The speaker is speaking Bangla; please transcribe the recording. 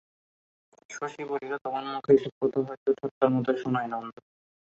শশী বলিল, তোমার মুখে এসব কথা হয়তো ঠাট্টার মতোই শোনায় নন্দ।